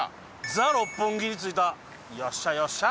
ザ・六本木に着いたよっしゃよっしゃ！